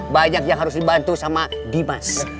banyak yang harus dibantu sama dimas